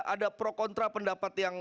ada pro kontra pendapat yang